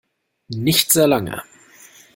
Nicht sehr lange.